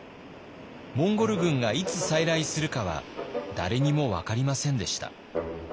モンゴル軍がいつ再来するかは誰にも分かりませんでした。